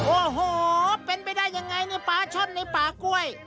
โอ้โหเป็นไปได้ยังไงเนี่ยปลาช่อนในป่ากล้วย